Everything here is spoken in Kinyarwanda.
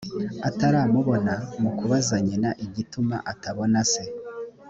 ataramubona mu kubaza nyina igituma atabona se